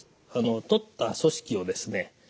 とった組織をですね